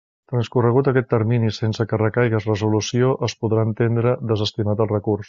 Transcorregut aquest termini sense que recaiga resolució es podrà entendre desestimat el recurs.